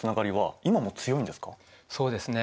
そうですね。